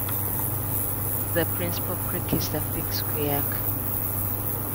The principal creek is the Pixquiac.